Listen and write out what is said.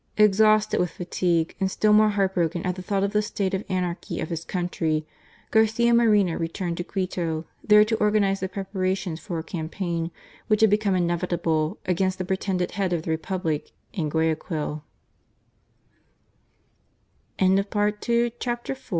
Exhausted with fatigue, and still more broken hearted at the thought of the state of anarchy of his country, Garcia Moreno returned to Quito, there to organize the preparations for a campaign, which had become inevitable, against the pretended head of the Republic in Guay